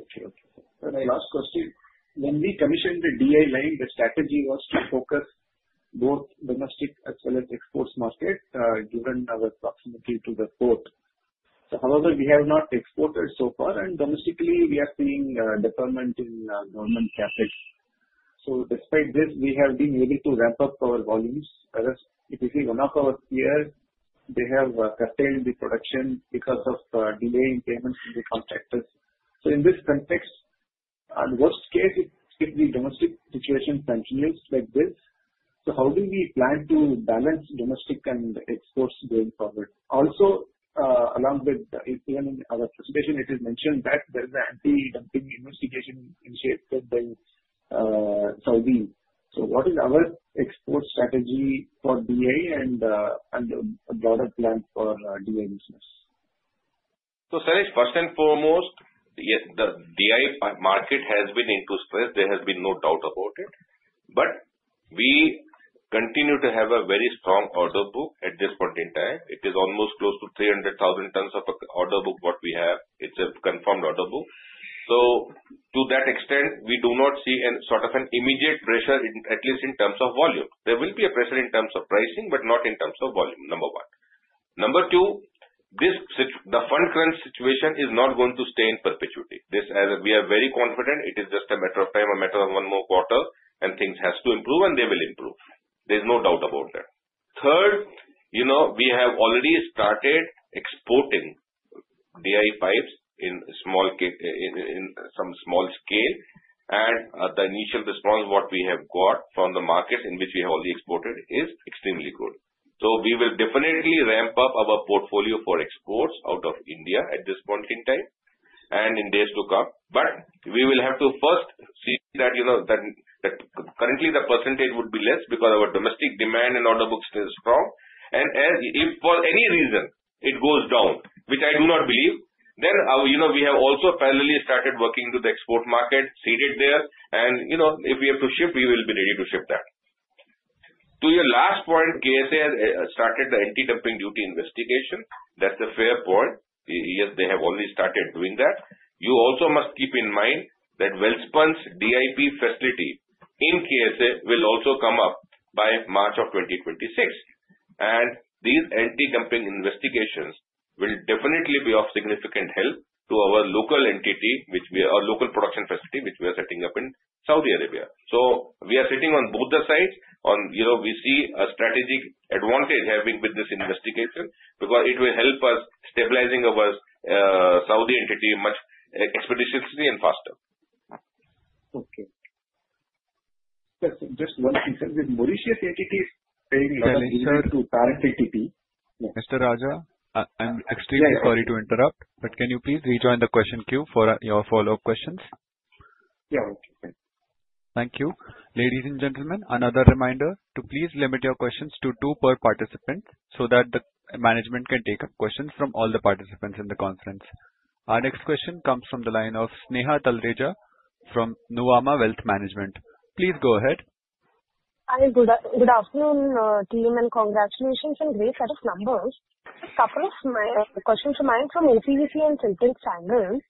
Okay. Okay. My last question. When we commissioned the DI line, the strategy was to focus both domestic as well as exports market given our proximity to the port. However, we have not exported so far, and domestically, we are seeing deployment in government contracts. Despite this, we have been able to ramp up our volumes. If you see, one of our peers, they have curtailed the production because of delay in payments to the contractors. In this context, in the worst case, if the domestic situation continues like this, so how do we plan to balance domestic and exports going forward? Also, along with our presentation, it is mentioned that there is an anti-dumping investigation initiated by the Saudis. What is our export strategy for DI and a broader plan for DI business? So Sailesh, first and foremost, the DI market has been in the space. There has been no doubt about it. But we continue to have a very strong order book at this point in time. It is almost close to 300,000 tons of order book what we have. It's a confirmed order book. To that extent, we do not see any sort of immediate pressure, at least in terms of volume. There will be a pressure in terms of pricing, but not in terms of volume, number one. Number two, the fundamental situation is not going to stay in perpetuity. We are very confident it is just a matter of time, a matter of one more quarter, and things have to improve, and they will improve. There is no doubt about that. Third, we have already started exporting DI pipes on a small scale. The initial response what we have got from the markets in which we have already exported is extremely good. We will definitely ramp up our portfolio for exports out of India at this point in time and in days to come. We will have to first see that currently the percentage would be less because our domestic demand and order book stays strong. If for any reason it goes down, which I do not believe, then we have also parallelly started working to the export market, seeded there. If we have to shift, we will be ready to shift that. To your last point, KSA has started the anti-dumping duty investigation. That's a fair point. Yes, they have already started doing that. You also must keep in mind that Welspun's DI Pipe facility in KSA will also come up by March of 2026. And these anti-dumping investigations will definitely be of significant help to our local entity, our local production facility which we are setting up in Saudi Arabia. We are sitting on both the sides. We see a strategic advantage having with this investigation because it will help us stabilizing our Saudi entity much expeditiously and faster. Okay. Just one thing. Morishya's entity is paying a lot of interest to current entity. Mr. Raja, I'm extremely sorry to interrupt, but can you please rejoin the question queue for your follow-up questions? Yeah. Okay. Thank you. Thank you. Ladies and gentlemen, another reminder to please limit your questions to two per participant so that the management can take up questions from all the participants in the conference. Our next question comes from the line of Sneha Talreja from Nuvama Wealth Management. Please go ahead. Hi. Good afternoon, team, and congratulations on a great set of numbers. A couple of questions come to mind from OPVC and Sintex's angles.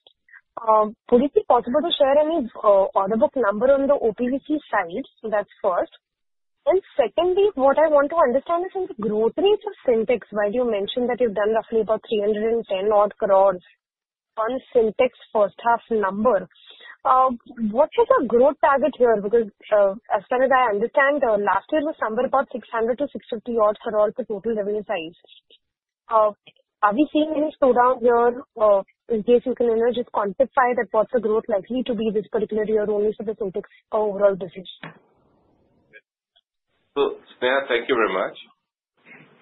Would it be possible to share any order book number on the OPVC side? That's first. Secondly, what I want to understand is in the growth rates of Sintex, while you mentioned that you've done roughly about 310-odd crores on Sintex's first-half number, what is the growth target here? Because as far as I understand, last year was somewhere about 600-650-odd crores for total revenue size. Are we seeing any slowdown here? In case you can just quantify that, what's the growth likely to be this particular year only for the Sintex's overall division? Sneha, thank you very much.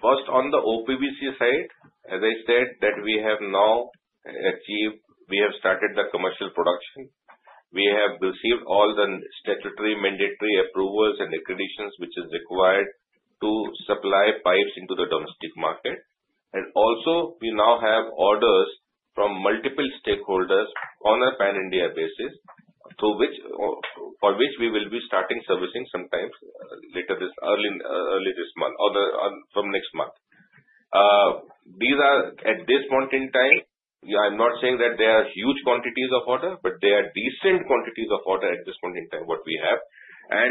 First, on the OPVC side, as I said, that we have now achieved, we have started the commercial production. We have received all the statutory mandatory approvals and accreditations which are required to supply pipes into the domestic market. And also, we now have orders from multiple stakeholders on a pan-India basis, for which we will be starting servicing sometime later this month or from next month. At this point in time, I'm not saying that there are huge quantities of order, but there are decent quantities of order at this point in time what we have.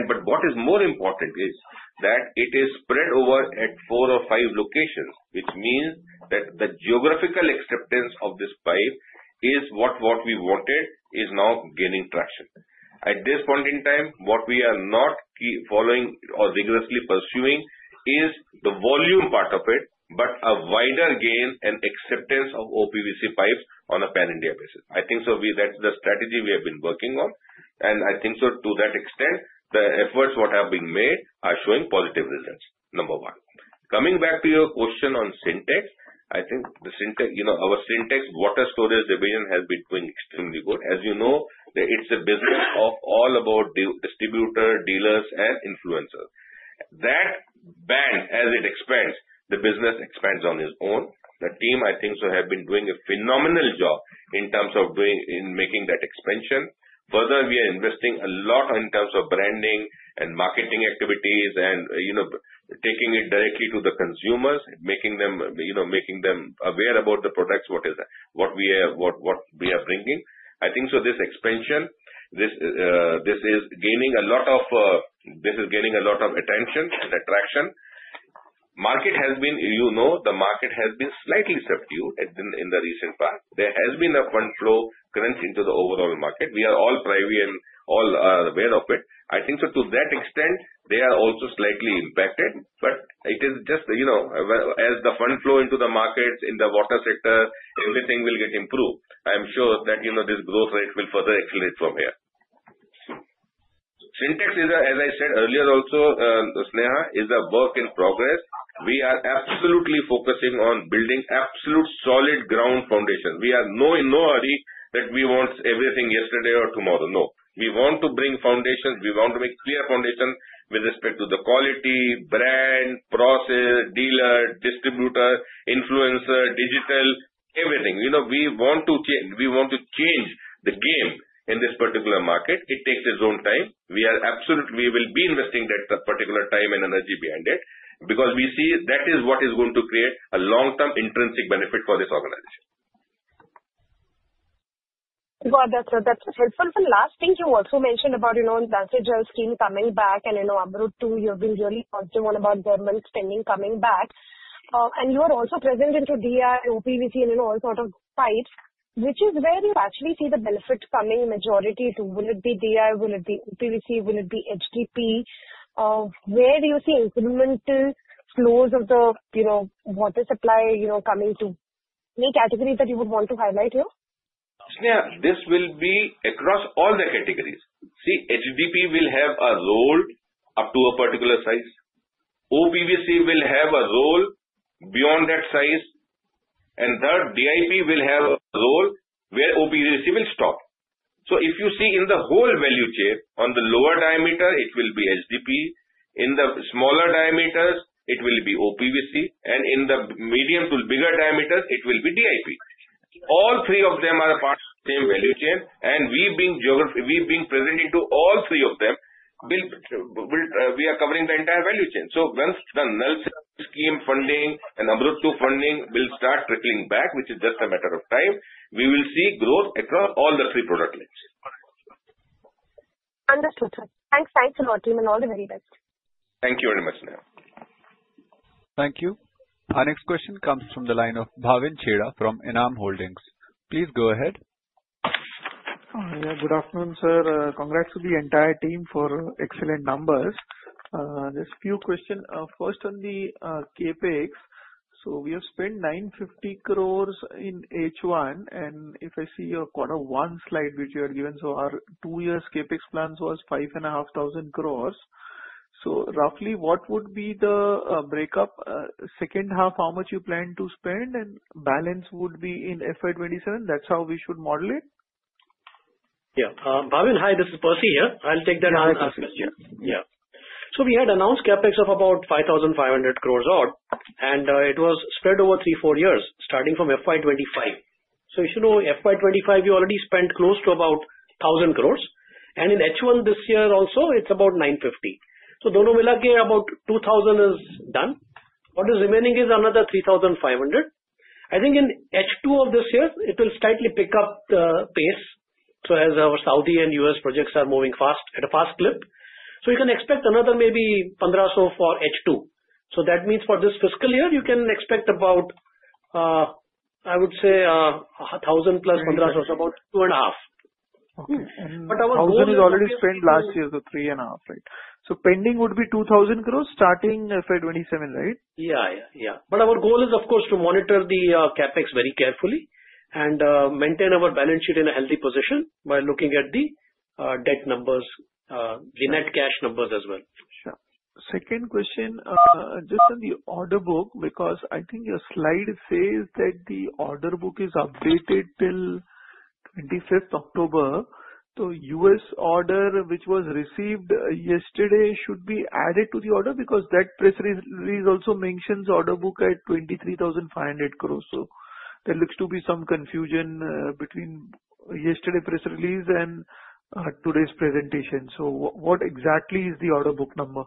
But what is more important is that it is spread over at four or five locations, which means that the geographical acceptance of this pipe is what we wanted is now gaining traction. At this point in time, what we are not following or vigorously pursuing is the volume part of it, but a wider gain and acceptance of OPVC pipes on a pan-India basis. I think so that's the strategy we have been working on. I think so to that extent, the efforts what have been made are showing positive results, number one. Coming back to your question on Sintex, I think our Sintex water storage division has been doing extremely good. As you know, it's a business all about distributors, dealers, and influencers. That brand, as it expands, the business expands on its own. The team, I think so, have been doing a phenomenal job in terms of making that expansion. Further, we are investing a lot in terms of branding and marketing activities and taking it directly to the consumers, making them aware about the products, what we are bringing. I think so this expansion is gaining a lot of attention and attraction. The market has been, you know, slightly subdued in the recent past. There has been a fund flow crunch into the overall market. We are all privy and all aware of it. I think so to that extent, they are also slightly impacted. But it is just as the fund flow into the markets in the water sector, everything will get improved. I'm sure that this growth rate will further accelerate from here. Sintex is, as I said earlier also, Sneha, a work in progress. We are absolutely focusing on building absolute solid ground foundation. We have no hurry that we want everything yesterday or tomorrow. No. We want to bring foundations. We want to make clear foundation with respect to the quality, brand, process, dealer, distributor, influencer, digital, everything. We want to change the game in this particular market. It takes its own time. We will be investing that particular time and energy behind it because we see that is what is going to create a long-term intrinsic benefit for this organization. Well, that's helpful. The last thing you also mentioned about the SHL scheme coming back and AMRUT too. You've been really positive about government spending coming back. You are also present into DI, OPVC, and all sorts of pipes, which is where you actually see the benefit coming majority too. Will it be DI? Will it be OPVC? Will it be HDP? Where do you see incremental flows of the water supply coming to? Any categories that you would want to highlight here? Sneha, this will be across all the categories. See, HDP will have a role up to a particular size. OPVC will have a role beyond that size. And third, DIP will have a role where OPVC will stop. If you see in the whole value chain, on the lower diameter, it will be HDP. In the smaller diameters, it will be OPVC, and in the medium to bigger diameters, it will be DIP. All three of them are part of the same value chain. We being present into all three of them, we are covering the entire value chain. Once the NELS scheme funding and AMRUT 2.0 funding will start trickling back, which is just a matter of time, we will see growth across all the three product lines. Understood. Thanks. Thanks a lot, team, and all the very best. Thank you very much, Sneha. Thank you. Our next question comes from the line of Bhavin Cheda from Enam Holdings. Please go ahead. Hi. Good afternoon, sir. Congrats to the entire team for the excellent numbers. Just a few questions. First, on the CapEx, so we have spent 950 crores in H1, and if I see your quarter one slide which you had given, so our two-year CapEx plan was 5,500 crores, so roughly, what would be the breakup? Second half, how much you plan to spend, and balance would be in FY27? That's how we should model it? Yeah. Bhavin, hi. This is Percy here. I'll take that question. Hi, Percy. Yeah. So we had announced CapEx of about 5,500 crore. It was spread over three, four years, starting from FY25. If you know, FY25, we already spent close to about 1,000 crore. In H1 this year also, it's about 950 crore. So dono mila ke about 2,000 crore is done. What is remaining is another 3,500 crore. I think in H2 of this year, it will slightly pick up the pace. As our Saudi and US projects are moving fast at a fast clip, so you can expect another maybe 1,500 crore for H2. That means for this fiscal year, you can expect about, I would say, 1,000 crore plus 1,500 crore, so about 2.5. Okay. And 2,000 is already spent last year, so 3 and a half, right? So pending would be 2,000 crores starting FY27, right? But our goal is, of course, to monitor the CapEx very carefully and maintain our balance sheet in a healthy position by looking at the debt numbers, the net cash numbers as well. Sure. Second question, just on the order book, because I think your slide says that the order book is updated till 25th October. So US order, which was received yesterday, should be added to the order because that press release also mentions order book at 23,500 crores. There looks to be some confusion between yesterday's press release and today's presentation. What exactly is the order book number?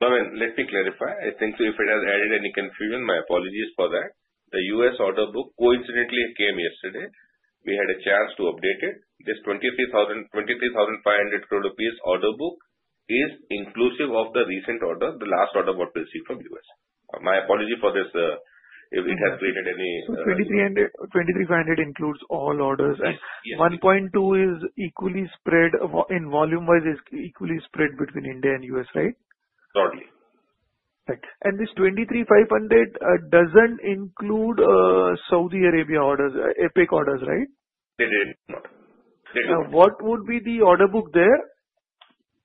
Bhavin, let me clarify. I think so if it has added any confusion, my apologies for that. The U.S. order book coincidentally came yesterday. We had a chance to update it. This 23,500 crore rupees order book is inclusive of the recent order, the last order book received from U.S. My apology for this if it has created any. So 23,500 includes all orders. And 1.2 is equally spread in volume-wise between India and U.S., right? Totally. Right, and this 23,500 doesn't include Saudi Arabia orders, EPIC orders, right? It did not. It did not. What would be the order book there?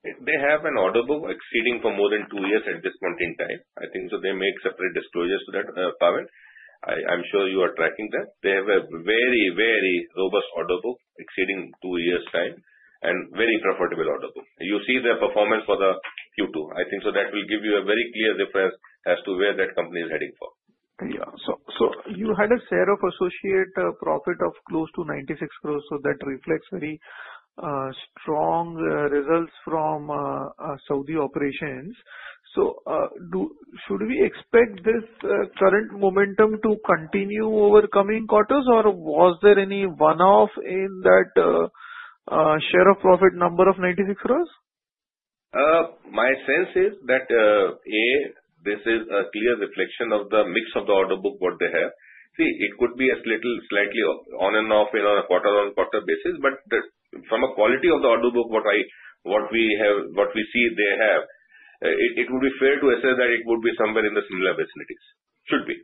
They have an order book exceeding for more than two years at this point in time. I think so they make separate disclosures to that, Bhavin. I'm sure you are tracking that. They have a very, very robust order book exceeding two years' time and very profitable order book. You see their performance for the Q2. I think so that will give you a very clear difference as to where that company is heading for. Yeah. You had a share of associate profit of close to 96 crores. So that reflects very strong results from Saudi operations. Should we expect this current momentum to continue over the coming quarters, or was there any one-off in that share of profit number of 96 crores? My sense is that, A, this is a clear reflection of the mix of the order book what they have. See, it could be a slightly on and off on a quarter-on-quarter basis. But from a quality of the order book, what we see they have, it would be fair to assess that it would be somewhere in the similar vicinities. Should be.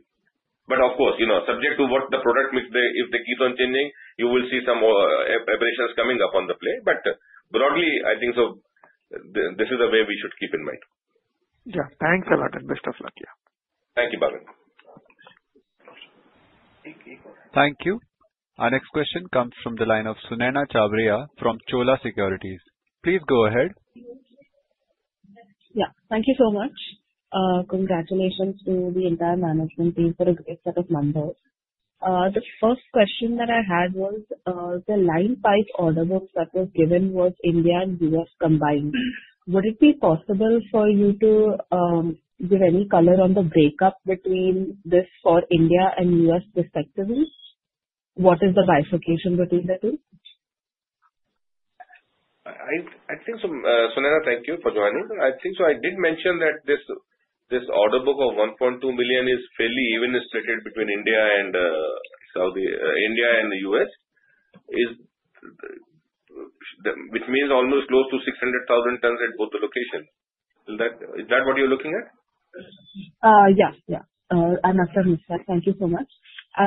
But of course, subject to what the product mix, if they keep on changing, you will see some operations coming up on the play. But broadly, I think so this is the way we should keep in mind. Yeah. Thanks a lot, and best of luck. Yeah. Thank you, Bhavin. Thank you. Our next question comes from the line of Sunena Chabria from Chola Securities. Please go ahead. Yeah. Thank you so much. Congratulations to the entire management team for a great set of numbers. The first question that I had was the line pipe order books that were given was India and US combined. Would it be possible for you to give any color on the breakup between this for India and US respectively? What is the bifurcation between the two? I think so, Sunena, thank you for joining. I think so, I did mention that this order book of 1.2 million is fairly evenly split between India and U.S., which means almost close to 600,000 tons at both the locations. Is that what you're looking at? Yes. Yeah. I'm a firm expert. Thank you so much.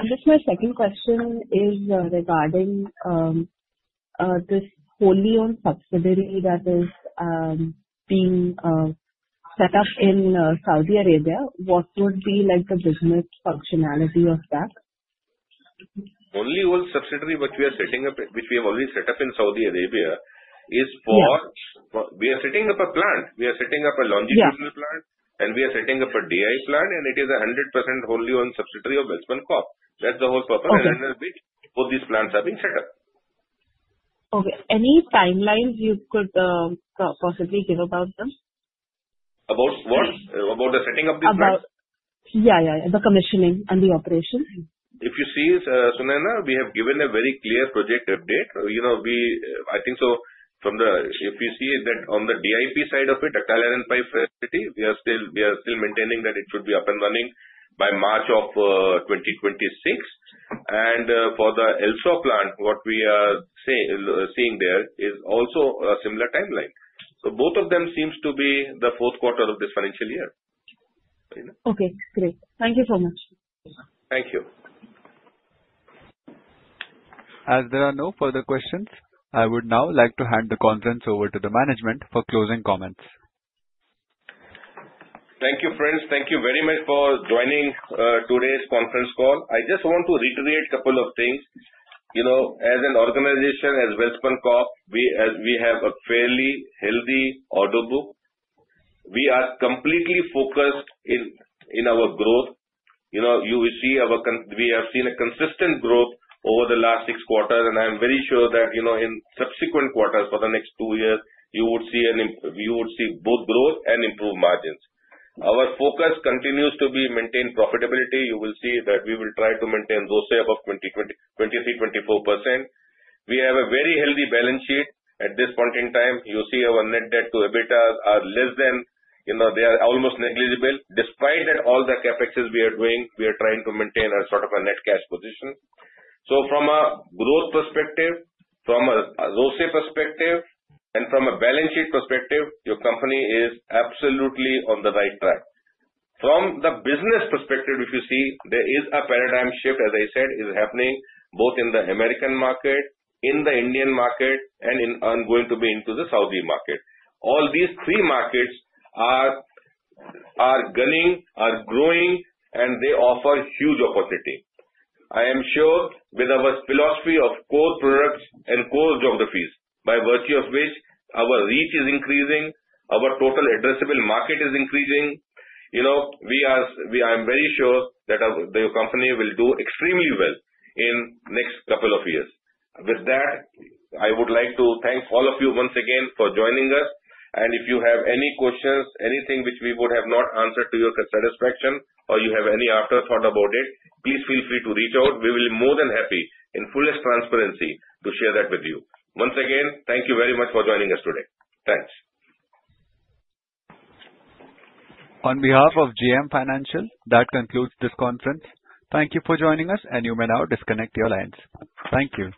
Just my second question is regarding this wholly-owned subsidiary that is being set up in Saudi Arabia. What would be the business functionality of that? Wholly-owned subsidiary which we are setting up, which we have already set up in Saudi Arabia, is for we are setting up a plant. We are setting up a longitudinal plant, and we are setting up a DI plant, and it is a 100% wholly-owned subsidiary of Welspun Corp. That's the whole purpose and the reason for which both these plants are being set up. Okay. Any timelines you could possibly give about them? About what? About the setting up these plants? Yeah. About the commissioning and the operation. If you see, Sunena, we have given a very clear project update. I think, so if you see that on the DI pipe side of it, Anjar DI pipe facility, we are still maintaining that it should be up and running by March of 2026. And for the LSAW plant, what we are seeing there is also a similar timeline. Both of them seem to be the fourth quarter of this financial year. Okay. Great. Thank you so much. Thank you. As there are no further questions, I would now like to hand the conference over to the management for closing comments. Thank you, friends. Thank you very much for joining today's conference call. I just want to reiterate a couple of things. As an organization, as Welspun Corp, we have a fairly healthy order book. We are completely focused in our growth. You will see, we have seen a consistent growth over the last six quarters. I'm very sure that in subsequent quarters for the next two years, you would see both growth and improved margins. Our focus continues to be maintain profitability. You will see that we will try to maintain those above 23%-24%. We have a very healthy balance sheet at this point in time. You see our net debt to EBITDA are less than, they are almost negligible. Despite that, all the capex we are doing, we are trying to maintain a sort of a net cash position. So from a growth perspective, from a ROCE perspective, and from a balance sheet perspective, your company is absolutely on the right track. From the business perspective, if you see, there is a paradigm shift, as I said, is happening both in the American market, in the Indian market, and going to be into the Saudi market. All these three markets are booming, are growing, and they offer huge opportunity. I am sure with our philosophy of core products and core geographies, by virtue of which our reach is increasing, our total addressable market is increasing, I'm very sure that your company will do extremely well in the next couple of years. With that, I would like to thank all of you once again for joining us. If you have any questions, anything which we would have not answered to your satisfaction, or you have any afterthought about it, please feel free to reach out. We will be more than happy, in fullest transparency, to share that with you. Once again, thank you very much for joining us today. Thanks. On behalf of JM Financial, that concludes this conference. Thank you for joining us, and you may now disconnect your lines. Thank you.